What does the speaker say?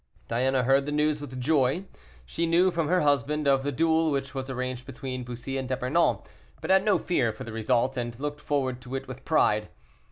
Diana heard the news with joy. She knew from her husband of the duel which was arranged between Bussy and D'Epernon, but had no fear for the result, and looked forward to it with pride.